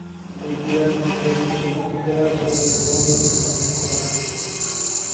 এই বিরাট বনের এক উচ্চ ভূমিতে রাজবাড়ী ও নগর স্থাপন করেন।